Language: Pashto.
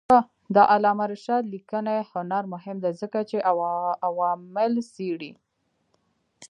د علامه رشاد لیکنی هنر مهم دی ځکه چې عوامل څېړي.